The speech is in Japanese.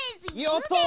やった。